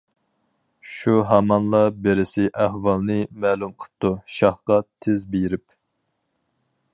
شۇ ھامانلا بىرسى ئەھۋالنى، مەلۇم قىپتۇ شاھقا تېز بېرىپ.